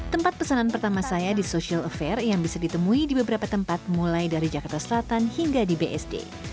tempat pesanan pertama saya di social affair yang bisa ditemui di beberapa tempat mulai dari jakarta selatan hingga di bsd